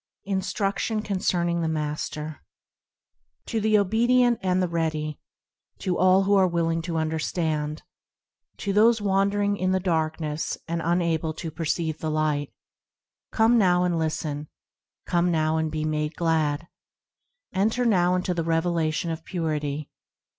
Instruction, concerning the Master TO the obedient and the ready ; To all who are willing to understand ; To those wandering in the darkness, and: unable to perceive the Light: – Come now, and listen ; Come now, and be made glad; Enter now into the revelation of Purity.